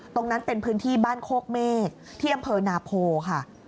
ตรงนั้นเป็นพื้นที่บ้านโคกเมฆที่อำเภอนาโพค่ะ